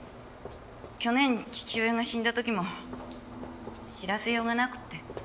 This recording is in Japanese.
去年父親が死んだ時も知らせようがなくって。